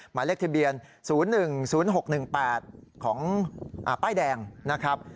หมายเลขทะเบียน๐๑๐๖๑๘ของป้ายแดงนะครับ